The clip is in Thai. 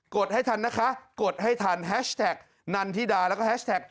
ดให้ทันนะคะกดให้ทันแฮชแท็กนันทิดาแล้วก็แฮชแท็ก